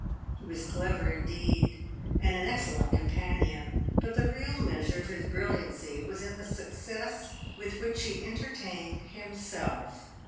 He was clever indeed, and an excellent companion; but the real measure of his brilliancy was in the success with which he entertained himself.